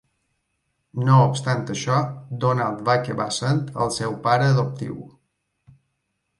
No obstant això, Donald va acabar essent el seu pare adoptiu.